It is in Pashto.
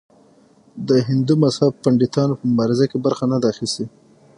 د هندو مذهب پنډتانو په مبارزو کې برخه نه ده اخیستې.